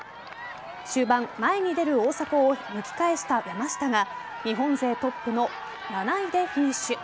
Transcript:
終盤、前に出る大迫を抜き返した山下が日本勢トップの７位でフィニッシュ。